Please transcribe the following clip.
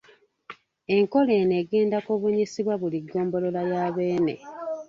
Enkola eno egenda kubunyisibwa buli ggombolola ya Beene.